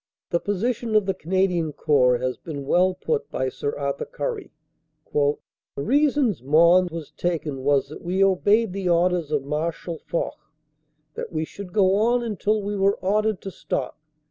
The position of the Canadian Corps has been well put by Sir Arthur Currie: "The reason Mons was taken was that we obeyed the orders of Marshal Foch that we should go on until we were ordered to stop.